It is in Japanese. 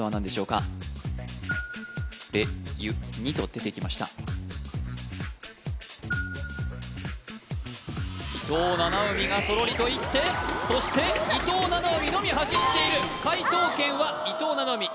かれゅにと出てきました伊藤七海がそろりといってそして伊藤七海のみ走っている解答権は伊藤七海